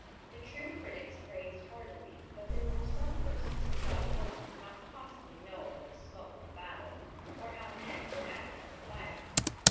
The true critics praised heartily, but there were some persons who thought a woman could not possibly know about the smoke of a battle, or how men would act under fire.